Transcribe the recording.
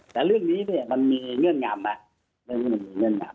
แต่เรื่องนี้มันมีเงื่อนงามนะ